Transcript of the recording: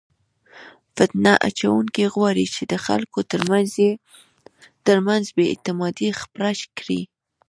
فتنه اچونکي غواړي چې د خلکو ترمنځ بې اعتمادي خپره کړي.